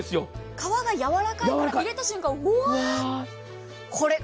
皮がやわらかいから入れた瞬間、ふわっと。